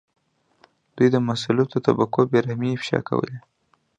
دوی د مسلطو طبقو بې رحمۍ افشا کولې.